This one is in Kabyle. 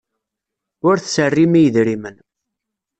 Ur tserrim i yedrimen.